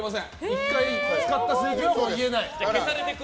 １回使った数字はもう言えない。